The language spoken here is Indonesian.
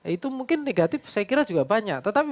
itu mungkin negatif saya kira juga banyak